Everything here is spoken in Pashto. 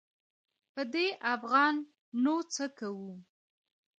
په دې افغان نو څه کوو.